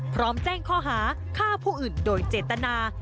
พร้อมแจ้งข้อหาฆ่าผู้อื่นโดยเจตนา